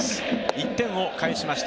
１点を返しました